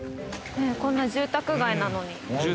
こんな住宅街なのに。